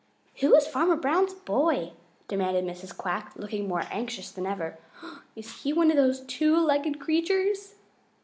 "Who is Farmer Brown's boy?" demanded Mrs. Quack, looking more anxious than ever. "Is he one of those two legged creatures?"